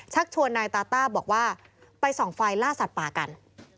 ชวนนายตาต้าบอกว่าไปส่องไฟล่าสัตว์ป่ากัน